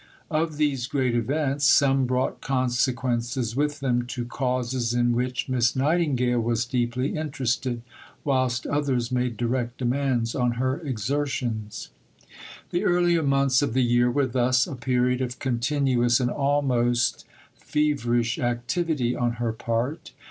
Of these great events, some brought consequences with them to causes in which Miss Nightingale was deeply interested, whilst others made direct demands on her exertions. The earlier months of the year were thus a period of continuous and almost feverish activity on her part.